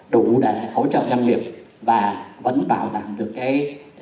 đủ để hỗ trợ doanh nghiệp và vẫn bảo đảm được cái